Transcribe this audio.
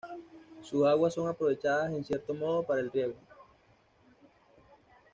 Sus aguas son aprovechadas, en cierto modo, para el riego.